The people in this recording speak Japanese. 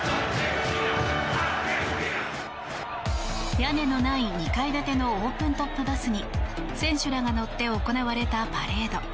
屋根のない２階建てのオープントップバスに選手らが乗って行われたパレード。